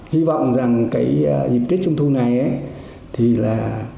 hy vọng rằng cái dịp tết trung thu này thì là